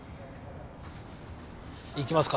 いきますか。